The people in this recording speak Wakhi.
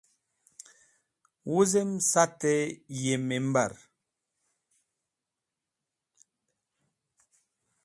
Wuzem Senate yi Member